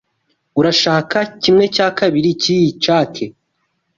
Urashaka kimwe cya kabiri cyiyi cake?